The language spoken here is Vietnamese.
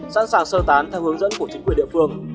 sẵn sàng sơ tán theo hướng dẫn của chính quyền địa phương